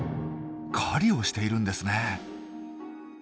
狩りをしているんですね。